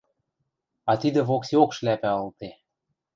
А тидӹ воксеок шляпӓ ылде.